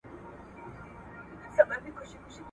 کېدای سي کښېناستل اوږدې وي.